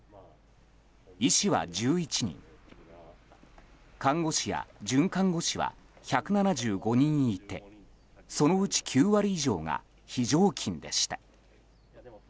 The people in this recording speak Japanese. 医師は１１人看護師や准看護師は１７５人いてそのうち９割以上が非常勤でした。